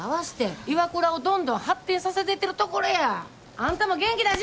あんたも元気出し！